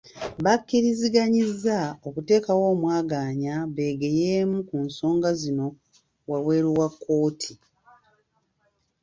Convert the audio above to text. Bakkiriziganyizza okuteekawo omwaganya beegeyeemu ku nsonga zino wabweru wa kkooti.